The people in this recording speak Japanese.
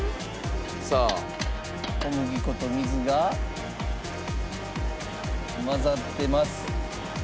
さあ小麦粉と水が混ざってます。